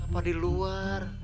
apa di luar